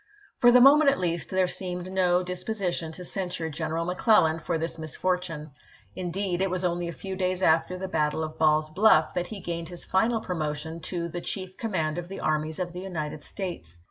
For the moment, at least, there seemed no dis position to censure General McClellan for this mis fortune. Indeed, it was only a few days after the battle of Ball's Bluff that he gained his final pro motion to the chief command of the armies of the United States.